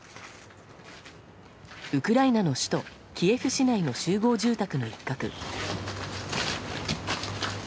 ウクライナの首都キエフ市内の集合住宅の一角。